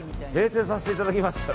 閉店させていただきました。